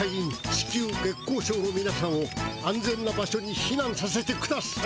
し急月光町のみなさんを安全な場所にひなんさせてください！